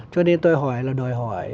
cho nên tôi hỏi là đòi hỏi